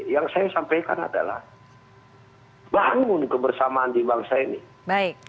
yang saya sampaikan adalah bangun kebersamaan di bangsa ini